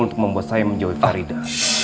untuk membuat saya menjauhi tarida